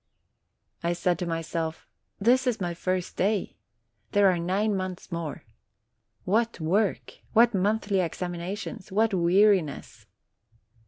I said to my self : "This is my first day. There are nine months more. What work, what monthly examinations, what weariness!"